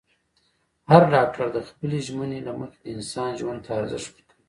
هر ډاکټر د خپلې ژمنې له مخې د انسان ژوند ته ارزښت ورکوي.